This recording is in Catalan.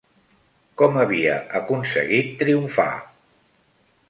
Com havia aconseguit triomfar?